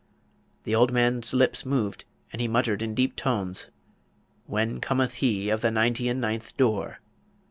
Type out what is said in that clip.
The old man's lips moved, and he muttered in deep tones, 'When cometh he of the ninety and ninth door?'